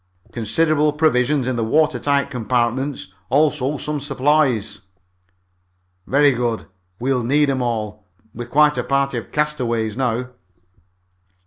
"Considerable provisions in the water tight compartments. Also some supplies." "Very good. We'll need 'em all. We're quite a party of castaways now."